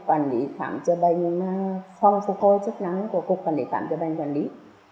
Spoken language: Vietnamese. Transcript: các nhà hào tấm các cơ quan doanh nghiệp họ sẽ đầu tư để hỗ trợ trực tiếp cho người khuyết tật trên cả nước nói chung